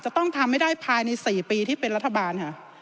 ซึ่งต้องปลุกจริง๔ปีที่เป็นรัฐบาลค่ะ